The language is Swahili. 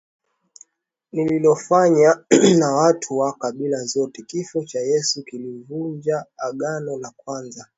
nililolifanya na watu wa kabila zote Kifo cha Yesu kilivunja Agano la kwanza